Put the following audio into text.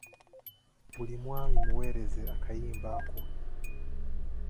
Buli mwami mmuweerezza akayimba ako.